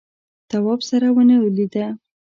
تواب سره ونه ولیده.